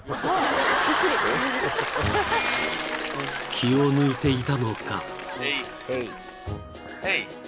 ［気を抜いていたのか］